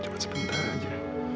cuma sebentar saja